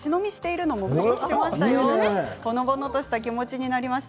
ほのぼのとした気持ちになりました。